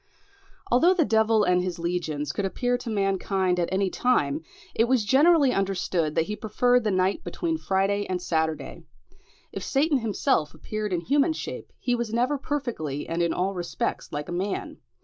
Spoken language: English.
Although the devil and his legions could appear to mankind at any time, it was generally understood that he preferred the night between Friday and Saturday. If Satan himself appeared in human shape, he was never perfectly and in all respects like a man.